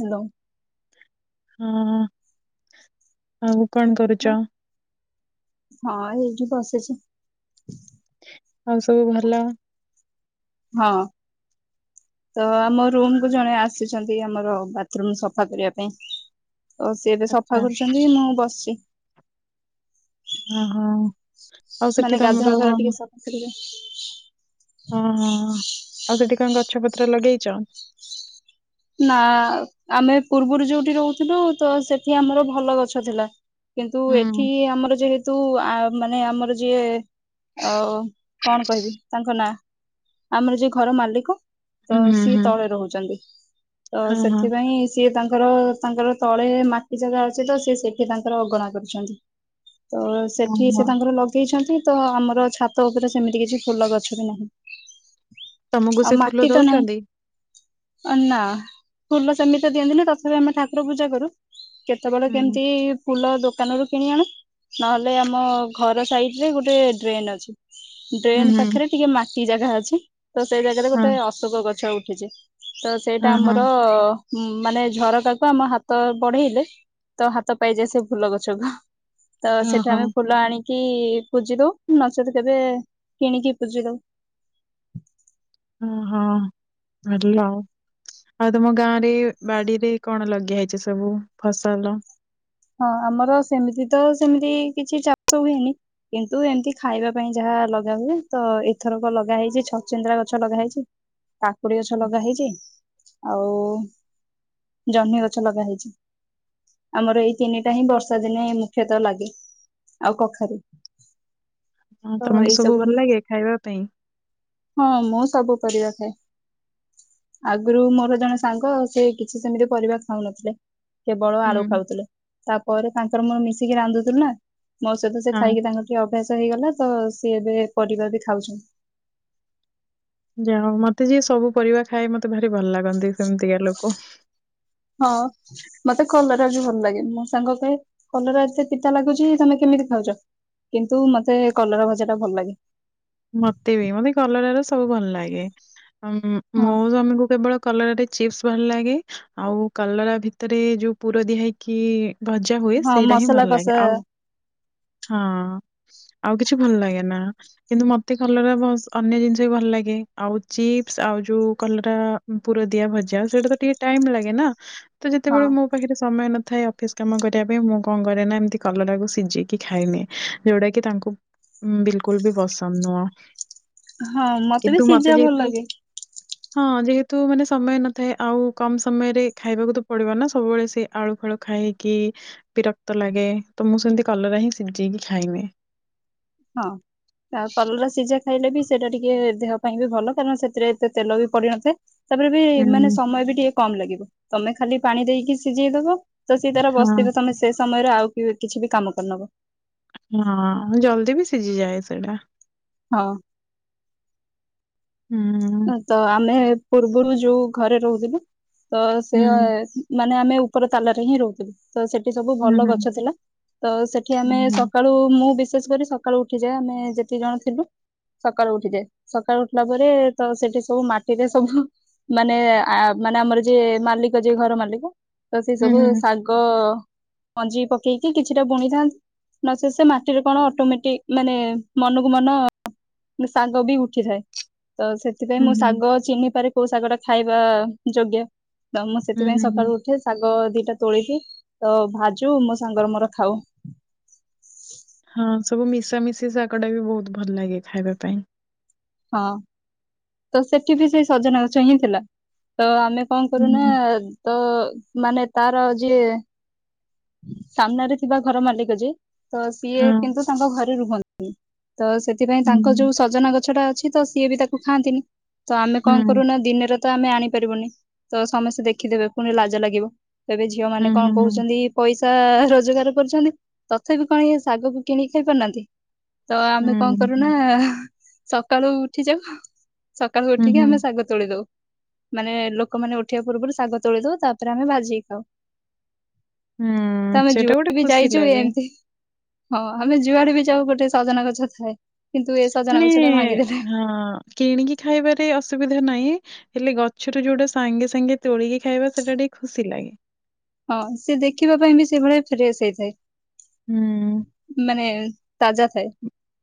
Hello. ହଁ ଆଉ କଣ ହଁ କରୁଚ? ହଁ ଏଇଠି ବସିଛି। ଆଉ ସବୁ ଭଲ? ହଁ ତ ଆମ ରୁମ କୁ ଜଣେ ଆସିଛନ୍ତି ଆମର ବାଥରୁମ ସଫା କରିବା ପାଇଁ। ଓ ସିଏ ତ ସଫା ଆଚ୍ଛା, କରୁଛନ୍ତି ମୁଁ ବସିଛି। ଓହୋ ଆଉ ମାନେ ସେଠି ଗାଧୁଆ ତମର [unintelligible] ଓହୋ ଆଉ ସେଠି କଣ ଗଛ ପତ୍ର ଲଗେଇଛ? ନା ଆମେ ପୂର୍ବରୁ ଯୋଉଠି ରହୁଥିଲୁ ତ ସେଠି ଆମର ଭଲ ଗଛ ଥିଲା। କିନ୍ତୁ ହୁଁ ଏଠି ଆମର ଯେହେତୁ ଆ ମାନେ ଆମର ଯିଏ ଆଉ କଣ କହିବି ତାଙ୍କ ନାଁ ଆମର ଯୋଏ ଘର ମାଲିକ ହୁଁ ତ ହୁଁ ସିଏ ହୁଁ ତଳେ ରହୁଛନ୍ତି ତ ହଁ ହଁ ସେଥିପାଇଁ ସିଏ ତାଙ୍କର ତାଙ୍କର ତଳେ ମାଟି ଜାଗା ଅଛି ତ ସି ସେଠି ତାଙ୍କର ଅଗଣା କରୁଛନ୍ତି। ତ ସେଠି ଓହୋ। ସେ ତାଙ୍କର ଲଗ ଦେଇଛନ୍ତି ତ ଆମର ଛାତ ଉପରେ ସେମିତି କିଛି ଫୁଲ ଗଛ ବି ନାହିଁ। ତମକୁ ଆଉ ସେ ଫୁଲ ମାଟି ତ ନହିଁ ଦଉଛନ୍ତି? ଅ ନା ଫୁଲ ସେମିତି ଦିଅନ୍ତିନି ତଥାପି ଆମେ ଠାକୁର ପୂଜା କରୁ କେତେବେଳେ ହୁଁ କେମିତି ଫୁଲ ଦୋକାନରୁୁ କିଣି ଆଣୁ ନହେଲେ ଆମ ଘର ସାଇଡ ରେ ଗୋଟେ ଡ୍ରେନ ଅଛି ହୁଁ ଡ୍ରେନ୍ ହୁଁ ପାଖରେ ଟିକେ ମାଟି ଜାଗା ଅଛି ତ ସେଇ ଜାଗାରେ ହଁ ଗୋଟେ ଅଶୋକ ଗଛ ଉଠିଛି ତ ହଁ ସେଇଟା ହଁ ଆମର ମାନେ ଝରକାକୁ ଆମ ହାତ ବଢେଇଲେ ତ ହାତ ପାଇଯାଏ ସେ ଫୁଲ ଗଛକୁ। ତ ହଁ ହଁ ସେଠାର ଫୁଲ ଆଣି କି ପୂଜି ଦଉ ନଚେତ କେବେ କିଣିକି ପୂଜି ଦଉ। ଓ ହଁ ଭଲ ଆଉ ତମ ଗାଁ ରେ ବାଡିରେ କଣ ଲଗେଇଆ ହେଇଛି ସବୁ ଫସଲ? ହଁ ଆମର ସେମିତି ତ ସେମିତି କିଛି ଚାଷ ହୁଏନି କିନ୍ତୁ ଏମତି ଖାଇବା ପାଇଁ ଯାହା ଲଗା ହୁଏ ତ ଏଥରକ ଲଗା ହେଇଛି ଛଛିନ୍ଦ୍ରା ଗଛ ଲଗା ହେଇଛି। କାକୁଡି ଗଛ ଲଗା ହେଇଛି ଆଉ ଜହ୍ନି ଗଛ ଲଗା ହେଇଛି ଆମର ଏଇ ତିନିଟା ହିଁ ବର୍ଷା ଦିନେ ମୁଖ୍ୟତଃ ଲାଗେ ଆଉ କଖାରୁ। ହଁ ତ ଏଇ ତମକୁ ସବୁ ଭଲ ଲାଗେ ଖାଇବା ପାଇଁ? ହଁ ମୁଁ ସବୁ ପରିବା ଖାଏ। ଆଗରୁ ମୋର ଜଣେ ସାଙ୍ଗ ସେ କିଛି ସେମିତି କରିବାକୁ ଖାଉନଥିଲେ। କେବଳ ହୁଁ ଆଳୁ ଖାଉଥିଲେ ତାପରେ ତାଙ୍କର ମୁଁ ମିଶିକି ରାନ୍ଧୁଥିଲୁ ନା। ମୋ ସହିତ ସେ ହଁ ଖାଇକି ତାଙ୍କର ଟିକେ ଅଭ୍ୟାସ ହେଇଗଲା ତ ସିଏ ଏବେ ପରିବାର ବି ଖାଉଛନ୍ତି। ଯା ହୁ ମତେ ଯିଏ ସବୁ ପରିବା ଖାଏ ମତେ ଭାରି ଭଲ ଲାଗନ୍ତି ସେମିତିକା ଲୋକ। ହଁ ମତେ କଲର ବି ଭଲ ଲାଗେ ମୋ ସାଙ୍ଗ ପାଇଁ କଲର ଏତେ ପିତା ଲାଗୁଛି ତମେ କେମିତି ଖାଉଛ। କିନ୍ତୁ ମତେ କଲର ଭଜା ଟା ଭଲ ଲାଗେ। ମତେ ବି ମତେ କଲର ର ସବୁ ଭଲ ଲାଗେ ହଁ ମୋ ସ୍ୱାମୀକୁ କେବଳ କଲରାଟେ ଚିପ୍ସ ଭଲ ଲାଗେ ଆଉ କଲରା ଭିତରେ ଯଉ ପୁର ଦିଆ ହେଇକି ଭଜା ହୁଏ ହଁ ସେଇଟା ହିଁ ମସଲା ଭଲ ଲାଗେ କଷା ଆଉ ହଁ ସ୍ ଆଉ କିଛି ଭଲ ଲାଗେ ନା ସ୍। କିନ୍ତୁ ମତେ କଲରା ବସ୍ ଅନ୍ୟ ଜିନିଷ ବି ଭଲ ଲାଗେ ଆଉ ଚିପ୍ସ ଆଉ ଯୋଉ କଲ୍ରା ପୁର ଦିଆ ଭଜା ସେଇଟା ତ ଟିକେ ଟାଇମ ଲାଗେ ନା ତ ହଁ ଯେତେବେଳେ ମୋ ପାଖେରେ ସମୟ ନଥାଏ ଅଫିସ କାମ କରିବା ପାଇଁ ମୁଁ କଣ କରେ ନା ଏମିତି କଲରାାକୁ ସିଝେଇକି ଖାଇନିଏ ଏ। ଯୋଉଟା କି ତାଙ୍କୁ ଉଁ ବିଲକୁଲ ବି ପସନ୍ଦ ନୁହଁ। ହଁ ମତେ ବି କିନ୍ତୁ ସିଝା ଭଲ୍ ଯେହେତୁ ଲାଗେ। [inaudible] ହଁ ଯେହେତୁ ମାନେ ସମୟ ନଥାଏ ଆଉ କମ୍ ସମୟରେ ଖାଇବାକୁ ତ ପଡିବ ନା ସବୁବେଳେ ସେ ଆଳୁ ଫଳୁ ଖାଇ। କି ବିରକ୍ତ ଲାଗେ ତ ମୁଁ ସେମିତି କଲରା ହିଁ ସିଝେଇକି ଖାଇନିଏ। ହଁ ଆଉ କଲରା ସିଝା। ଖାଇଲେ ବି ସେଇଟା ଟିକେ ଦେହ ପାଇଁ ବି ଭଲ କାରଣ ସେଥିରେ ଏତେ ତେଲ ବି ପଡି ନଥାଏ। ତାପରେ ବି ମାନେ ହୁଁ। ସମୟ ବି ଟିକେ କମ ଲାଗିବ ତମେ ଖାଲି ପାଣି ଦେଇକି ସିଝେଇଦବ। ତ ସିଏ ତାର ହଁ ବସ୍ତିର ତମେ ସେ ସମୟରେ ଆଉ କିଛିବି କାମ କରୀନବ। ହଁ ଜଲ୍ଦି ବି ସିଝିଯାଏ ସେଇଟା। ହଁ। ହୁଁ। ଆ ତ ଆମେ ପୂର୍ବରୁ ଯୋଉ ଘରେ ରହୁଥିଲୁ ତ ସେ ହୁଁ ମାନେ ଆମେ ଉପର ତାଲାରେ ହିଁ ରହୁଥିଲୁ। ତ ସେଠି ସବୁ ହୁଁ ଭଲ ଗଛ ଥିଲା ତ ସେଠି ହୁଁ ଆମେ ହୁଁ ସକାଳୁ ମୁଁ ବିଶେସ୍ କରି ସ ସକାଳୁ ଉଠିଯାଏ ଆମେ ଯେତିକି ଜଣ ଥିଲୁ ସକାଳୁ ଉଠିଯାଏ ସକାଳୁ ଉଠିଲା ପରେ ତ ସେଠି ସବୁ ମାଟିରେ ସବୁ ମାନେ ଆ ମାନେ ଆମର ଯିଏ ମାଲିକ ଯିଏ ଘର ମାଲିକ। ତ ସେ ହୁଁ ସବୁ ହୁଁ ଶାଗ ମଞ୍ଜି ପକେଇକି କିଛିଟା ବୁଣିଥାନ୍ତି। ନ ସେ ସେ ମାଟିରେ କଣ ଅଟୋମେଟିକ୍ ମାନେ ମନକୁ ମନ ନ୍ ସାଙ୍ଗ ବି ଉଠିଜାଏ। ତ ସେଥିପାଇଁ ହୁଁ ମୁଁ ହୁଁ। ଶାଗ ଚିହ୍ନିପାରେ କୋଉ ଶାଗ ଟା ଖାଇବା ଯୋଗ୍ୟ। ତ ମୁଁ ହୁଁ ସେଥିପାଇଁ ହୁଁ ହୁଁ ସକାଳୁ ଉ ଠେ ଶାଗ ଦିଟା ତୋଳିକି ତ ଭାଜୁ ମୋ ସାଙ୍ଗର ମୋର ଖାଉ। ହଁ ସବୁ ମିଶାା ମିଶି ଶାଗ ଟା ବି ବହୁତ୍ ଭଲ୍ ଲାଗେ ଖାଇବା ପାଇଁ। ହଁ ତ ସେଠି ବି ସେଇ ସଜନା ଗଛ ହିଁ ଥିଲା ତ ଆମେ କଣ କରୁନା ହୁଁ ତ ମାନେ ତାର ଯିଏ। ସାମ୍ନାରେ ଥିବା ଘର ମାଲିକ ଯେ ତ ସିଏ ହଁ କିନ୍ତୁ ତାଙ୍କ ଘରେ ରୁହନ୍ତି ତ ସେଥିପାଇଁ ହୁଁ ତାଙ୍କ ଯୋଉ ସଜନା ଗଛ ଟା ଅଛି ତ ସିଏ ବି ତାକୁ ଖାଆନ୍ତିନି। ତ ଆମେ ହୁଁ ହୁଁ କଣ କରୁନା ଦିନରେ ତ ଆମେ ଆଣିପାରିବୁନି ତ ସମସ୍ତେ ଦେଖିଦେବେ ପୁଣି ଲାଜ ଲାଗିବ। ତବେ ଝିଅ ମାନେ କଣ ହୁଁ ହୁଁ। କହୁଛନ୍ତି? ପଇସା ରୋଜଗାର କରୁଛନ୍ତି ତଥାପି କଣ ଇ ଶାଗକୁ କିଣିକି ଖାଇ ପାରୁନାହାନ୍ତି। ତ ଆମେ ହୁଁ କଣ କରୁନା ହୁଁ ସକାଳୁ ଉଠି ଯାଉ। ସକାଳୁ ଉଠିକି ହୁଁ ଆମେ ଶାଗତ୍ ତୋଳି ଦୋଉ ମାନେ ଲୋକମାନେ ଉଠିବା ପୂର୍ବରୁ ଶାଗ ତୋଳି ଦୋଉ ତାପରେ ଆମେ ଭାଜିିକି ଖାଉ। ହୁଁ ତମେ ଯୋ ସେଇଟା ଗୋଟେ [unintelligible] ବି ଖୁସି ଯାଇଛୁ ଲାଗେ। ଏମ୍ତୀ‌ ହଁ ଆମେ ଯୁଆଡେ ବି ଯାଉ ଗୋଟେ ସଜନା ଗଛ ଥାଏ। କିନ୍ତୁ ଏ ସଜନା ମେ ଗଛ ଟା ଭାଙ୍ଗିଦେଲେ ହଁ କିଣିକି ଖାଇବାରେ ଅସୁବିଧା ନାହିଁ। ହେଲେ ଗଛରୁୁ ଯୋଉଟା ସାଙ୍ଗେ ସାଙ୍ଗେ ତୋଳିକି ଖାଇବା ସେଟା ଟିକେ ଖୁସି ଲାଗେ। ହଁ ସେ ଦେଖିବା ପାଇଁ ବି ସେଭଳିଆ ଫ୍ରେଶ୍ ହୁଁ। ହେଇଥାଏ ମାନେ ତାଜା ଥାଏ।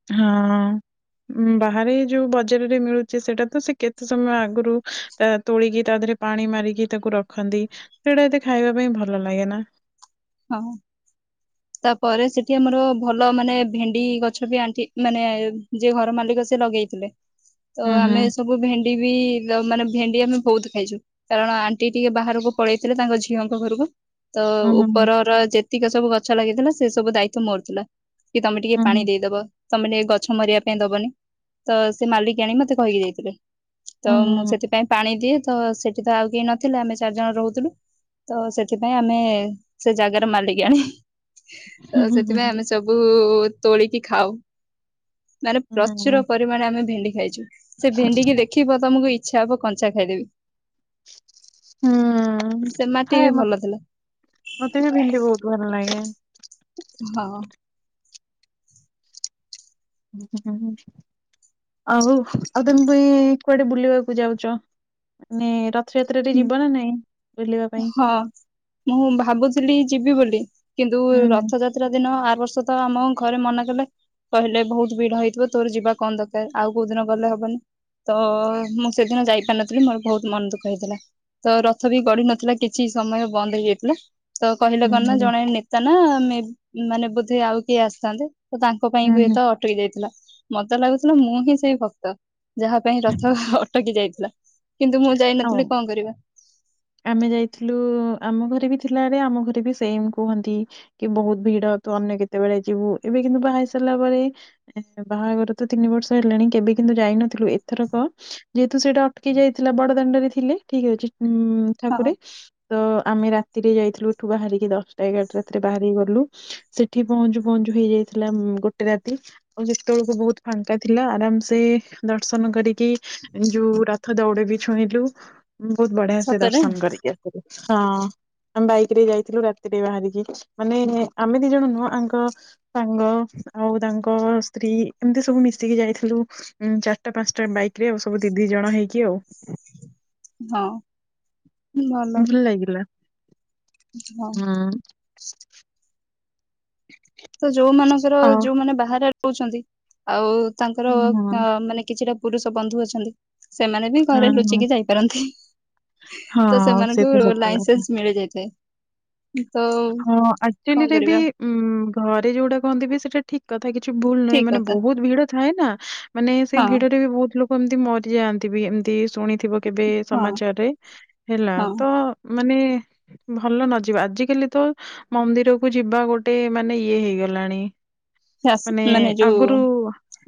ହଁ। ଉଁ ବାହାରେ ଯୋଉ ବଜାରରେ ମିଳୁଛି ସେଟା ତ ସେ କେତ୍ ସମୟ ଆଗରୁ। ତା ତୋଳିକି ତା ଦେହରେ ପାଣି ମାରିକି ତାକୁ ରଖନ୍ତି ସେଇଟା ଏତେ ଖାଇବା ପାଇଁ ଭଲ ଲାଗେ ନା। ହଁ। ତାପରେ ସେଠି ଆମର ଭଲ ମାନେ ଭେଣ୍ଡି ଗଛ ବି ଆଣ୍ଠି ମାନେ ଯିଏ ଘର ମାଲିକ ସେ ଲଗେଇଥିଲେ। ତ ହୁଁ, ଆମେ ହୁଁ, ସବୁ ଭେଣ୍ଡି ବି ମାନେ ଭେଣ୍ଡି ଆମେ ବହୁତ ଖାଇଛୁ। କାରଣ ଆଣ୍ଟି ଟିକେ ବାହାରକୁ ପଳେଇଥିଲେ ତାଙ୍କ ଝିଅଙ୍କ ଘରୁକୁ। ତ ହୁଁ, ଉପର ର ଯେତିକି ସବୁ ଗଛ ଲାଗିଥିଲା ସେ ସବୁ ଦାୟିତ୍ଵ ମୋରଥିଲା। କି ତମେ ଟିକିଏ ହୁଁ, ପାଣି ଦେଇଦବ। ତମେ ଟିକେ ଗଛ ମରିବା ପାଇଁ ଦବନି ତ ସେ ମାଲିକିଆଣି ମତେ କହିକି ଯାଇଥିଲେ। ତ ହୁଁ, ମୁଁ ସେଥିପାଇଁ। ପାଣି ଦିଏ ତ ସେଠି ତ ଆଉ କେହି ନଥିଲେ ଆମେ ଚାରି ଜଣ ରହୁଥିଲୁ ତ ସେଥିପାଇଁ ଆମେ। ସେ ଜାଗାର ମାଲିକିଆଣି ତ ହୁଁ, ହୁଁ, ହୁଁ, ହୁଁ, ହୁଁ, ସେଥିପାଇଁ ଆମେ ସବୁ ତୋଳିକି ଖାଉ ମାନେ ହୁଁ, ହୁଁ। ପ୍ରଚୁର ପ ପରିମାଣେ ଆମେ ଭେଣ୍ଡି ଖାଇଛୁ ସେ ଭେଣ୍ଡିିକି ଦେଖିବ ତମକୁ ଇଚ୍ଛା ହବ କଞ୍ଚା ଖାଇଦେବି। ହୁଁ ସେ ମାଟି ହାଏ ବି ମ ଭଲ ଥିଲା ମତେ ବି ଭେଣ୍ଡି ବହୁତ ଭଲ ଲାଗେ। ହଁ। ହୁଁ ହୁଁ ଆଉ ଆଉ ତମେ ପା ଏ କୁଆଡ଼େ ବୁଲିବାକୁ ଯାଉଚ ମାନେ ର ଥ ଯାତ୍ରାରେ ଯିବ ନା ନାଇଁ ବୁଲିବା ପାଇଁ? ହଁ ମୁଁ ଭାବୁଥିଲି ଯିବି ବୋଲି କିନ୍ତୁ ହୁଁ ରଥଯା ତ୍ରା ଦିନ ଆର ବର୍ଷ ତ ଆମ ଘରେ ମନା କଲେ। କହିଲେ ବହୁତ ଭିଡ଼ ହେଇଥିବ ତୋର ଯିବା କଣ ଦରକାର ଆଉ କୋଉ ଦିନ ଗଲେ ହବନି। ତ ମୁଁ ସେଦିନ ଯାଇପାରିନଥିଲି ମୋର ବହୁତ ମନ ଦୁଃଖ ହେଇଥିଲା। ତ ରଥ ବି ଗଡ଼ି ନଥିଲା କିଛି ସମୟ ବନ୍ଦ ହେଇଯାଇଥିଲା ତ କହିଲେ ହୁଁ କଣ ନା ଜଣେ ନେ ତା ନା ମାନେ ବୋଧେ ଆଉ କିଏ ଆସିଥାନ୍ତେ ତ ତାଙ୍କ ପାଇଁ ହୁଁ ହୁଏ ହୁଁ। ତ ଅ ଟକି ଯାଇଥିଲା ମତେ ଲାଗୁଥିଲା ମୁଁ ହିଁ ସେଇ ଭ ତ ଯାହା ପାଇଁ ରଥ ଅଟକି ଯାଇଥିଲା କିନ୍ତୁ ମୁଁ ଆଉ ଯାଇନଥିଲି କଣ କରିବା। ଆମେ ଯାଇଥିଲୁ ଆମ ଘରେ ବି ଥିଲାରେ ଆମ ଘରେ ବି ସେମ୍ କୁହନ୍ତି। କେ ବହୁତ ଭିଡ଼ ତ ଅନ୍ୟ କେତେବେଳେ ଯିବୁ ଏବେ କିନ୍ତୁ ବାହା ହେଇ ସାରିଲା ପରେ। ବାହାଘର ତ ତିନି ବର୍ଷ ହେଲାଣି କେବେ କିନ୍ତୁ ଯାଇନଥିଲୁ ଏଥର କ ଯେହେତୁ ସେଟା ଅଟକି ଯାଇଥିଲା ବଡ଼ ଦାଣ୍ଡ ରେ ଥିଲେ ଠିକ ଅଛି ଉଁ ଠାକୁରେ। ହଁ ତ ଆମେ ରାତିରେ ଯାଇଥିଲୁ ଏଠୁ ବାହାରିକି ଦଶଟା ଏଗାରଟା ରାତିରେ ବାହାରିକି ଗଲୁ। ସେଠି ପହଁଞ୍ଚୁ ପହଁଞ୍ଚୁ ହେଇଯାଇଥିଲା ଉଁ ଗୋଟେ ରାତି। ଆଉ ଯେତେବେଳକୁ ବହୁତ ଫାଙ୍କା ଥିଲା ଆରାମ ସେେ ଦର୍ଶନ କରିକି ଯୋଉ ର ଥ ଦୋଉଡ଼ି ବି ଛୁଇଁଲୁ ବହୁତ ବଢ଼ିଆ ସେ ସତରେ ଦର୍ଶନ କରିକି ଆସିଲୁ ହଁ। ଆମେ ବାଇକ ରେ ଯାଇଥିଲୁ ରାତିରେ ବାହାରିକି ମାନେ ଆମେ ଦି ଜଣ ନୁହଁ ଆଙ୍କ ସାଙ୍ଗ ଆଉ ତାଙ୍କ ସ୍ତ୍ରୀ ଏମିତି ସବୁ ମିଶିକି ଯାଇଥିଲୁ। ଉଁ ଚାରିଟା ପାଞ୍ଚଟା ବାଇକ ରେ ଆଉ ସବୁ ଦି ଦି ଜଣ ହେଇକି ଆଉ। ହଁ। ଭଲ ଲାଗିଲା ହଁ। ତ ଯୋଉମାନଙ୍କର ହଁ। ଯୋଉମାନେ ବାହାରେ ରହୁଛନ୍ତି ଆଉ ତାଙ୍କର ହଁ। ଆ ମାନେ କିଛିଟା ପୁରୁଷ ବନ୍ଧୁ ଅଛନ୍ତି ସେମାନେ ବି ଘରେ ହଁ, ଲୁଚିକି ଯାଇପାରନ୍ତି। ତ ହଁ ସେ ସେମାନଙ୍କୁ ତ ସତ କଥା। ଲାଇସେନ୍ସ ମିଳିଯାଇଥାଏ। ତ କଣ କରିବା। ଉୁଁ ଘରେ ଯୋଉଟା କହନ୍ତି ବି ସେଟା ଠିକ୍ କଥା କିଛି ଭୁଲ ନାହିଁ ଠିକ ମାନେ କଥା ବହୁତ ଭିଡ଼ ଥାଏ ନା। ମାନେ ସେଇ ହଁ ଭିଡ଼ରେ ବି ବହୁତ ଲୋକ ଏମିତି ମରିଯାଆନ୍ତି ବି ଏମିତି ଶୁଣି ଥିବ କେବେ ହଁ ସମାଚାରରେ ହେଲା ହଁ ତ ମାନେ ଭଲ ନ ଯିବା ଆଜିକାଲି ତ ମନ୍ଦିର କୁ ଯିବା ଗୋଟେ ମାନେ ଇଏ ହେଇଗଲାଣି। ହାସ୍ -ମାନେ ଯଉ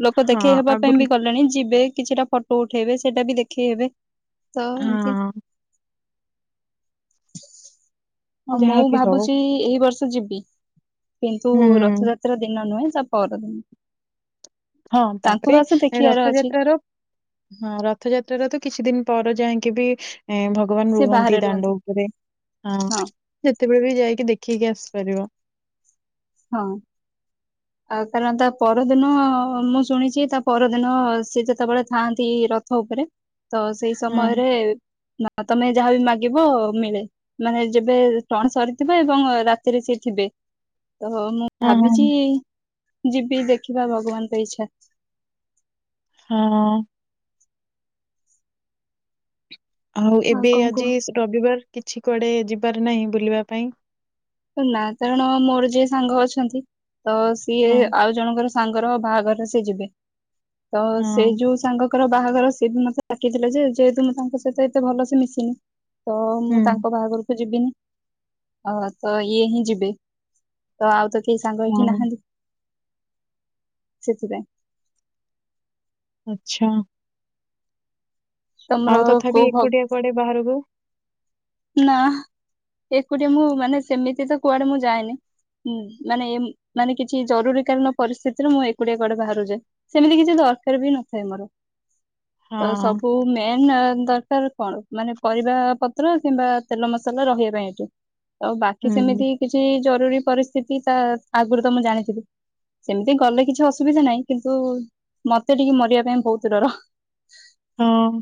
ଲୋକ ହଁ, ଦେଖେଇ ହେବା ପାଇଁ ଆଗରୁ ବି ଗଲେଣି ଯିବେ କିଛିଟା ଫୋ ଟୋ ଉଠେଇବେ ସେଇଟା ବି ଦେଖେଇ ହେବେ ତ ଏମତି। ହଁ, [inaudible] ହଁ ମୁଁ ଯାହା ବିି ହଉ। ଭାବୁଚି ଏଇ ବର୍ଷ ଯିବି କିନ୍ତୁ ହୁଁ, ରଥଯାତ୍ରା ଦିନ ନୁହେଁ ସା ପର ଦିନ। ହଁ ତାପରେ ଏ ଦେଖିବାର ଅଛି ରଥଯାତ୍ରା ର ହଁ ରଥଯାତ୍ରାର ତ କିଛି ଦିନ ପରେ ଯାଇଁକି ବି ଭ ଭଗବାନ୍ ସେ ରୁହନ୍ତି ବାହାରେ ଦାଣ୍ଡ ଉପରେ ହଁ ଯେତେବେଳେ ବି ଯାଇକି ଦେଖିକି ଆସିପାରିବ। ହଁ। ଆ- କାରଣ ତା ପରଦିନ ମୁଁ ଶୁଣିଚି ତା ପରଦିନ ସିଏ ଯେତେବେଳେ ଥାଆନ୍ତି ର ରଥ ଉପରେ ତ ସେଇ ହଁ ସମୟରେ ତମେ ଯାହାବି ମାଗିବ ମିଳେ। ମାନେ ଯେବେ ଟଣା ସରିଥିବେ ଏବଂ ରାତିରେ ସିଏ ଥିବେ ତ ମୁଁ ହଁ ହଁ ଭାବିଚି ଯିବି ଦେଖିବା ଭଗବାନ୍ ଙ୍କ ଇଚ୍ଛା। ହଁ। ଆଉ ଏବେ କଣ କୁହ ଆଜି ରବିବାର କିଛି କୁଆଡେ ଯିବାର ନାହିଁ ବୁଲିବା ପାଇଁ? ନା କାରଣ ମୋର ଯିଏ ସାଙ୍ଗ ଅଛନ୍ତି ତ ସିଏ ହଁ ଆଉ ଜଣଙ୍କର ସାଙ୍ଗର ବାହାଘର ସେ ଯିବେ ତ ସେଇ ହଁ ଯଉ ସାଙ୍ଗ ତାଙ୍କର ବାହାଘର ସିଏ ବି ମତେ ଡ଼ାକିଥିଲା ଯେ ଯେହେତୁ ମୁଁ ତାଙ୍କ ସହିତ ଏତେ ଭଲ ସେ ମିଶିନି ତ ମୁଁ ହୁଁ ତାଙ୍କ ବାହାଘରକୁ ଯିବିନି ଅ ତ ଇଏ ହିଁ ଯିବେ। ତ ଆଉ ତ କେହି ସାଙ୍ଗ ଏଠି ହଁ ନାହାନ୍ତି ସେଥିପାଇଁ। ଆଚ୍ଛା। ତମର ଆଉ ତଥାପି କୋଉ ଭ ଏକୁଟିଆ କୁଆଡେ ବାହାରକୁ? ନା ଏକୁଟିଆ ମୁଁ ମାନେ ସେମିତି ତ କୁଆଡେ ମୁଁ ଯାଏନି ହୁଁ ମାନେ -ମାନେ କିଛି ଜରୁରୀ କାଳୀନ ପରିସ୍ଥିତିରେ ମୁଁ ଏକୁଟିଆ କୁଆଡେ ବାହାରକୁ ଯାଏ। ସେମିତି କିଛି ଦରକାର୍ ବି ନଥାଏ ମୋର। ହଁ ତ ସବୁ ମେନ୍ ଦରକାର୍ କଣ ମାନେ ପରିବା ପତ୍ର କିମ୍ବା ତେଲ ମସଲା ରହିବା ପାଇଁ ଏଠୁ ଆଉ ବାକି ହୁଁ ସେମିତି କିଛି ଜରୁରୀ ପରିସ୍ଥିତି ତା ଆଗୁରୁ ତ ମୁଁ ଜାଣିଥିଲି ସେମିତି ଗଲେ କିଛି ଅସୁବିଧା ନାହିଁ କିନ୍ତୁ ମତେ ଟିକେ ମରିବା ପାଇଁ ବହୁତୁ ଡର। ହଁ।